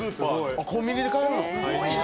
あっコンビニで買えるの？